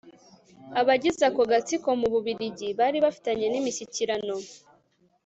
abagize ako gatsiko, mu bubiligi bari bafitanye n'imishyikirano